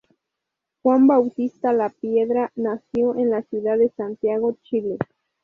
Juan Bautista Lapiedra nació en la ciudad de Santiago, Chile.